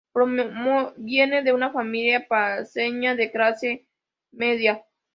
Proviene de una familia paceña de clase media.